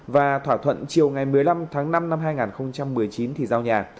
và thỏa thuận chiều ngày một mươi năm tháng năm năm hai nghìn một mươi chín thì giao nhà